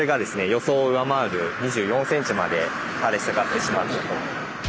予想を上回る２４ｃｍまで垂れ下がってしまったと。